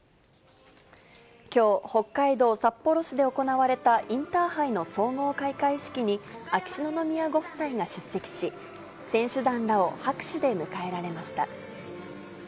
きょう、北海道札幌市で行われたインターハイの総合開会式に、秋篠宮ご夫妻が出席し、選手団らを拍手で迎えられました。